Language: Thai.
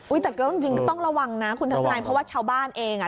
อุ้ยแต่เกิ้ลจริงจริงก็ต้องระวังนะคุณทัศนายเพราะว่าชาวบ้านเองอ่ะ